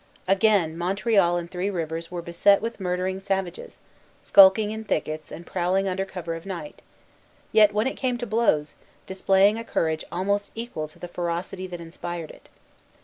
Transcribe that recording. Again Montreal and Three Rivers were beset with murdering savages, skulking in thickets and prowling under cover of night, yet, when it came to blows, displaying a courage almost equal to the ferocity that inspired it.